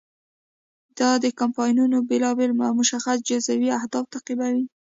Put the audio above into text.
دا کمپاینونه بیلابیل او مشخص جزوي اهداف تعقیبوي.